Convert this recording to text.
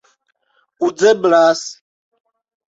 uzeblas